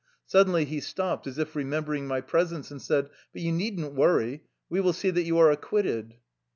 Suddenly he stopped, as if re membering my presence, and said :" But you need n't worry. We will see that you are acquitted."